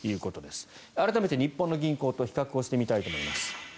改めて、日本の銀行と比較をしてみたいと思います。